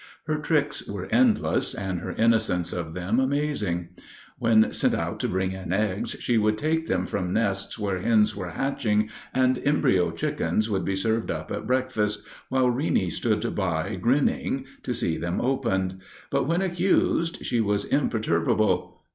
Her tricks were endless and her innocence of them amazing. When sent out to bring in eggs she would take them from nests where hens were hatching, and embryo chickens would be served up at breakfast, while Reeney stood by grinning to see them opened; but when accused she was imperturbable.